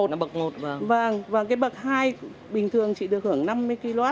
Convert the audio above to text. và cái bậc hai bình thường chị được hưởng năm mươi kw